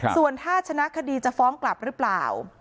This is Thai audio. ส่วนถ้าชนะคดีจะฟ้องกลับหรือเปล่า